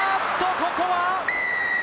ここは。